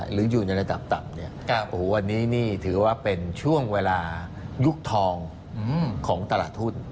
หรืออยู่ในระดับต่ำเนี่ยโอ้โหวันนี้นี่ถือว่าเป็นช่วงเวลายุคทองของตลาดทุน